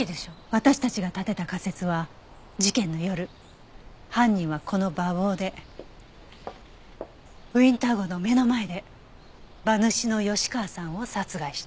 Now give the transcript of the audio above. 私たちが立てた仮説は事件の夜犯人はこの馬房でウィンター号の目の前で馬主の吉川さんを殺害した。